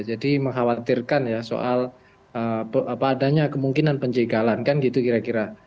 jadi mengkhawatirkan ya soal kemungkinan penjagalan kan gitu kira kira